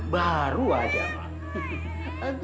baru aja pak